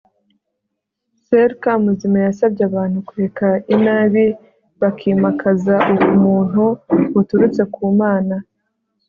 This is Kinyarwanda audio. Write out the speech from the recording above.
soeur kamuzima yasabye abantu kureka inabi bakimakaza ubumuntu buturutse ku mana